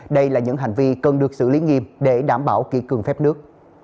đây là những hành vi cần được xử lý nghiêm để đảm bảo kỹ cường phép nước